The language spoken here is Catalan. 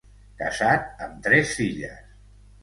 Casat amb tres filles.